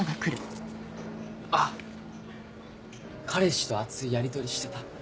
あっ彼氏と熱いやりとりしてた？